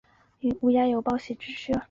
古人亦有以乌鸦为报喜之说。